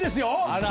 あら！